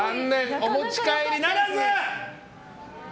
お持ち帰りならず！